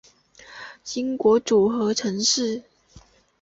英国组合城市